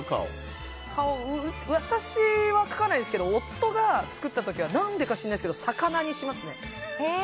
私は描かないですけど夫が作った時は何でか知らないですけど魚にしますね。